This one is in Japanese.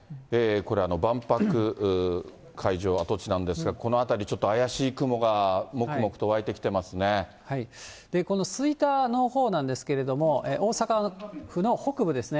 これは万博会場跡地なんですが、この辺りちょっと怪しい雲が、この吹田のほうなんですけれども、大阪府の北部ですね。